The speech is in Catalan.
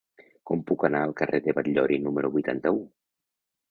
Com puc anar al carrer de Batllori número vuitanta-u?